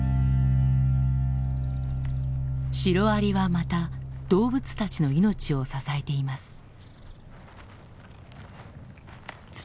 シロアリはまた動物たちの命を支えています。